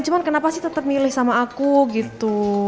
cuman kenapa sih tetep milih sama aku gitu